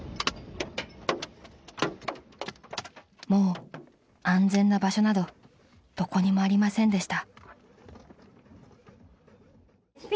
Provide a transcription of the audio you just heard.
［もう安全な場所などどこにもありませんでした］